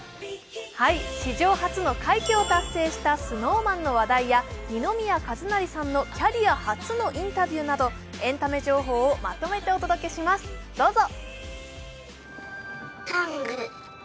史上初の快挙を達成したＳｎｏｗＭａｎの話題や二宮和也さんのキャリア初のインタビューなどエンタメ情報をまとめてお届けします、どうぞ。